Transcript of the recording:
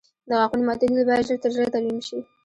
د غاښونو ماتېدل باید ژر تر ژره ترمیم شي.